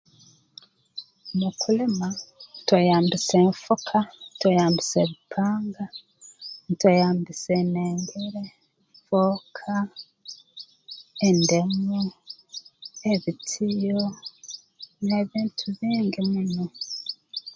Mu kulima tweyambisa enfuka tweyambisa ebipanga ntweyambisa enengere fooka endemu ebitiyo n'ebintu bingi muno